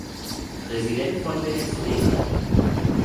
Präsident von Venezuela.